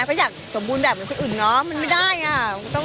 เพราะอยากสมบูรณ์แบบคนอื่นเนอะมันไม่ได้อ่ะ